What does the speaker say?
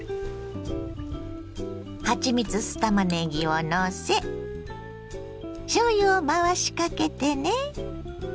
はちみつ酢たまねぎをのせしょうゆを回しかけてね。